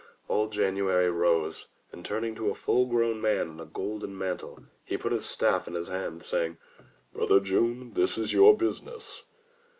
Old January rose, and turning to a full grown man in a golden mantle, he put his staff in his hand, saying, "Brother June, this is your business."